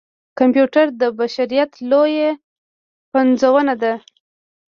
کمپیوټر د بشريت لويه پنځونه ده.